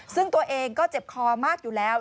ซึ่งตัวเองก็เจ็บคอมากอยู่แล้ว